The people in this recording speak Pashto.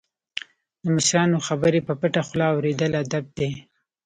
د مشرانو خبرې په پټه خوله اوریدل ادب دی.